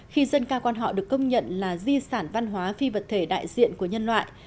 khi dân ca quan họ được công nhận là di sản văn hóa phi vật thể đại diện của nhân loại